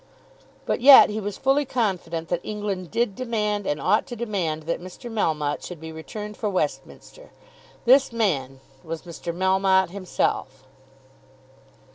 But yet he was fully confident that England did demand and ought to demand that Mr. Melmotte should be returned for Westminster. This man was Mr. Melmotte himself.